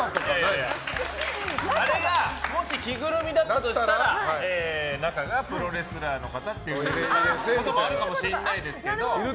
あれがもし着ぐるみだったとしたら中がプロレスラーの方っていうこともあるかもしれないですけど。